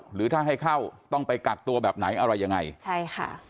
หรือถ้าให้เข้าต้องไปกักตัวแบบไหนอะไรยังไงใช่ค่ะ